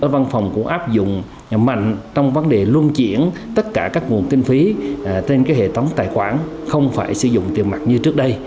văn phòng cũng áp dụng mạnh trong vấn đề luân chuyển tất cả các nguồn kinh phí trên hệ thống tài khoản không phải sử dụng tiền mặt như trước đây